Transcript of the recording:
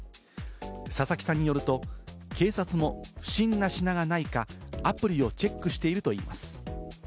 佐々木さんによると、警察も不審な品がないか、アプリをチェックしているといいます。